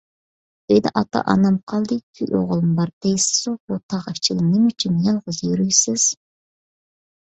ئۆيدە ئاتا - ئانام قالدى، كۈيئوغۇلمۇ بار، دەيسىزۇ، بۇ تاغ ئىچىدە نېمە ئۈچۈن يالغۇز يۈرىسىز؟